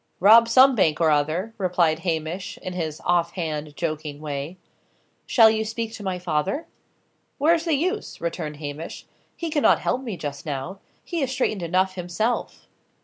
"Rob some bank or other," replied Hamish, in his off hand, joking way. "Shall you speak to my father?" "Where's the use?" returned Hamish. "He cannot help me just now; he is straitened enough himself."